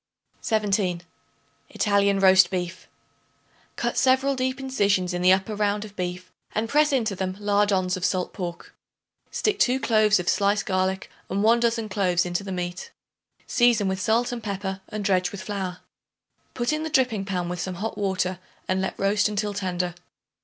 17. Italian Roast Beef. Cut several deep incisions in the upper round of beef and press into them lardoons of salt pork. Stick 2 cloves of sliced garlic and 1 dozen cloves in the meat; season with salt and pepper and dredge with flour. Put in the dripping pan with some hot water and let roast until tender.